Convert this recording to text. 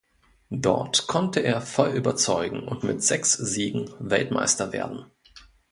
Dort konnte er voll überzeugen und mit sechs Siegen Weltmeister werden.